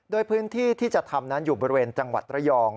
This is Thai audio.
โดยพื้นที่ที่จะทำนั้นอยู่บริเวณจังหวัดระยอง